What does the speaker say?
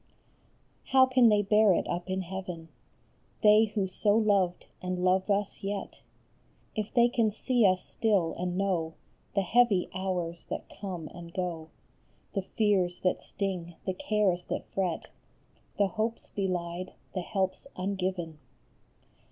OW can they bear it up in heaven, They who so loved, and love us yet, If they can see us still, and know The heavy hours that come and go, The fears that sting, the cares that fret, The hopes belied, the helps ungiven